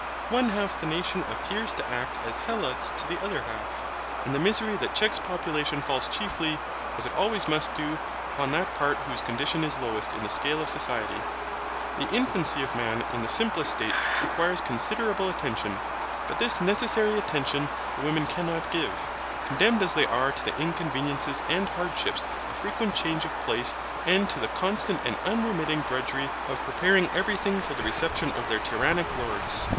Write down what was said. One half the nation appears to act as Helots to the other half, and the misery that checks population falls chiefly, as it always must do, upon that part whose condition is lowest in the scale of society. The infancy of man in the simplest state requires considerable attention, but this necessary attention the women cannot give, condemned as they are to the inconveniences and hardships of frequent change of place and to the constant and unremitting drudgery of preparing every thing for the reception of their tyrannic lords.